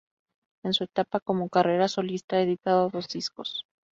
En su etapa como carrera solista ha editado dos discos.